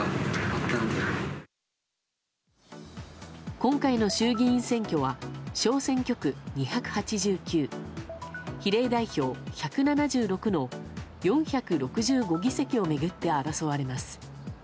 今回の衆議院選挙は小選挙区２８９比例代表１７６の４６５議席を巡って争われます。